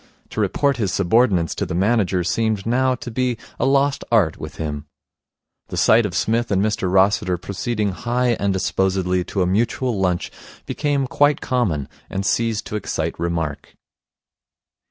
To report his subordinates to the manager seemed now to be a lost art with him. The sight of Psmith and Mr Rossiter proceeding high and disposedly to a mutual lunch became quite common, and ceased to excite remark.